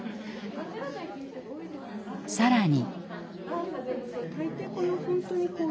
更に。